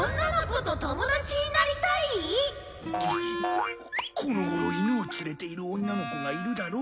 この頃犬を連れている女の子がいるだろ？